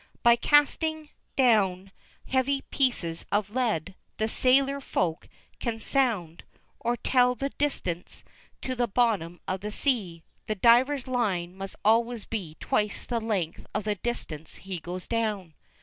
By casting down heavy pieces of lead, the sailor Folk can "sound," or tell the distance to the bottom of the sea. The diver's line must always be twice the length of the distance he goes down.